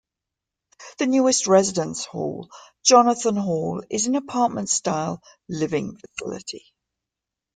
The newest residence hall-Jonathan Hall-is an apartment-style-living facility.